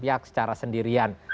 pihak secara sendirian